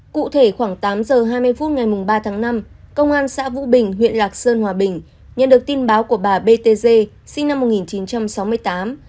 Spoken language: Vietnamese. cụ thể khoảng tám giờ hai mươi phút ngày ba tháng năm công an xã vũ bình huyện lạc sơn hòa bình nhận được tin báo của bà btz sinh năm một nghìn chín trăm sáu mươi tám